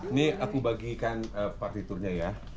ini aku bagikan partiturnya ya